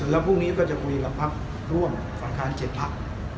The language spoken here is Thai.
แล้วพรุ่งนี้ก็จะคุยกับพักร่วมฝ่ายค้าน๗พัก